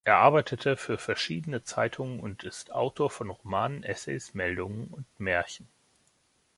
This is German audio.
Er arbeitete für verschiedene Zeitungen und ist Autor von Romanen, Essays, Meldungen und Märchen.